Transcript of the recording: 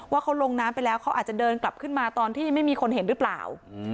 ว่าเขาลงน้ำไปแล้วเขาอาจจะเดินกลับขึ้นมาตอนที่ไม่มีคนเห็นหรือเปล่า